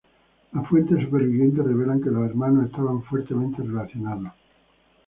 Las fuentes supervivientes revelan que los hermanos estaban fuertemente relacionados.